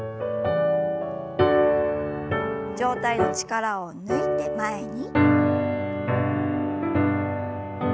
上体の力を抜いて前に。